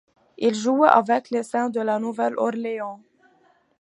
Il jouait avec les Saints de la Nouvelle-Orléans.